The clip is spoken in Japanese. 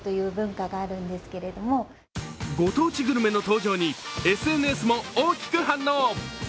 ご当地グルメの登場にＳＮＳも大きく反応。